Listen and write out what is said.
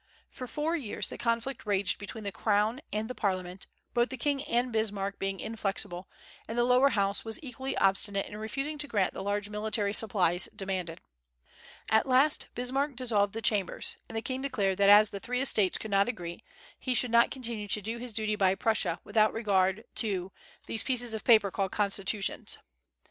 For four years the conflict raged between the crown and the parliament, both the king and Bismarck being inflexible; and the lower House was equally obstinate in refusing to grant the large military supplies demanded. At last, Bismarck dissolved the Chambers, and the king declared that as the Three Estates could not agree, he should continue to do his duty by Prussia without regard to "these pieces of paper called constitutions."